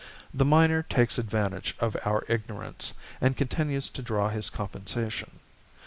The miner takes advantage of our ignorance, and continues to draw his compensation.